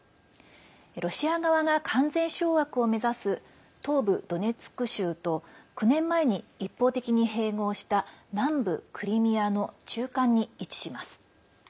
ロシア側が完全掌握を目指す東部ドネツク州と９年前に一方的に併合した南部クリミアの中間に位置します。